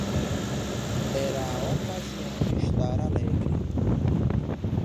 Era a ocasião de estar alegre.